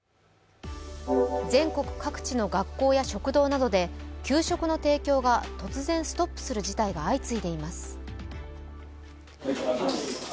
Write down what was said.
全国各地の学校や食堂などで給食の提供が突然ストップする事態が相次いでいます。